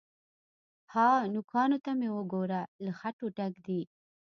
_ها! نوکانو ته مې وګوره، له خټو ډک دي.